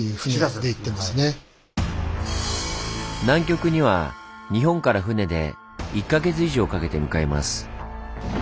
南極には日本から船で１か月以上かけて向かいます。